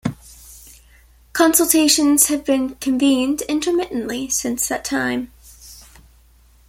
Consultations have been convened intermittently since that time.